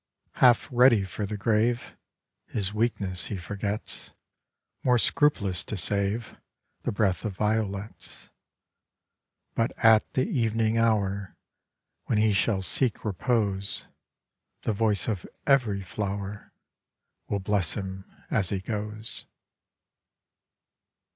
Half ready for the grave, His weakness he forgets, More scrupulous to save The breath of violets. But at the evening hour When he shall seek repose, The voice of every flower Will bless him as he goes.